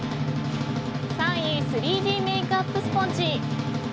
３位、３Ｄメイクアップスポンジ。